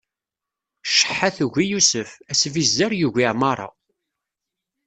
Ceḥḥa tugi Yusef, asbizzer yugi Ɛmaṛa.